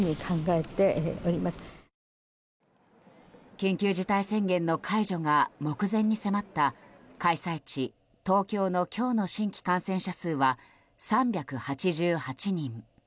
緊急事態宣言の解除が目前に迫った開催地・東京の今日の新規感染者数は３８８人。